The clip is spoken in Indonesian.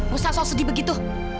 bukan sosok sedih begitu